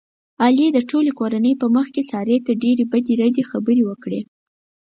علي د ټولې کورنۍ په مخ کې سارې ته ډېرې بدې ردې خبرې وکړلې.